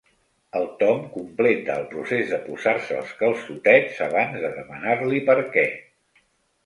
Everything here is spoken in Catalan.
El Tom completa el procés de posar-se els calçotets abans de demanar-li per què.